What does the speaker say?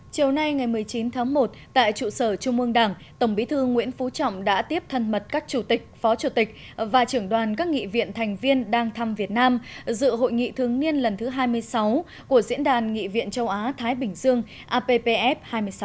chiều nay ngày một mươi chín tháng một tại trụ sở trung ương đảng tổng bí thư nguyễn phú trọng đã tiếp thân mật các chủ tịch phó chủ tịch và trưởng đoàn các nghị viện thành viên đang thăm việt nam dự hội nghị thường niên lần thứ hai mươi sáu của diễn đàn nghị viện châu á thái bình dương appf hai mươi sáu